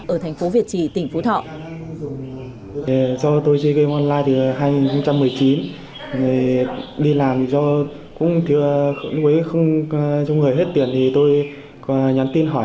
ở thành phố việt trì tỉnh phú thọ